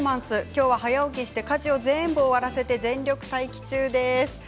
きょうは早起きして家事を全部終わらせて全力待機中です。